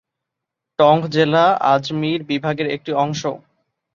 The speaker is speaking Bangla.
টঙ্ক জেলা আজমির বিভাগের একটি অংশ।